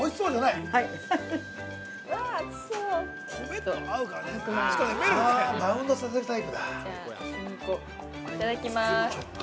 ◆いただきます。